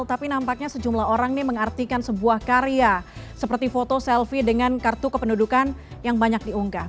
tapi nampaknya sejumlah orang ini mengartikan sebuah karya seperti foto selfie dengan kartu kependudukan yang banyak diunggah